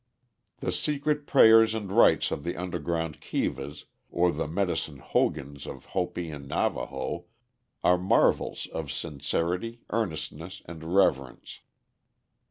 The secret prayers and rites of the underground kivas, or the medicine hogans of Hopi and Navaho are marvels of sincerity, earnestness, and reverence.